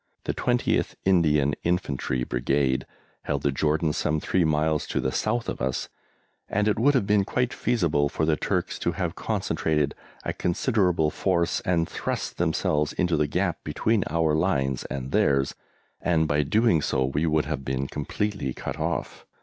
The 20th Indian Infantry Brigade held the Jordan some three miles to the south of us, and it would have been quite feasible for the Turks to have concentrated a considerable force and thrust themselves into the gap between our lines and theirs, and by so doing we would have been completely cut off.